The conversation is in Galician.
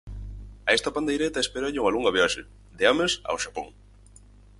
A esta pandeireta espéralle unha longa viaxe: de Ames ao Xapón.